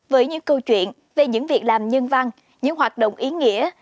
với những câu chuyện về những việc làm nhân văn những hoạt động ý nghĩa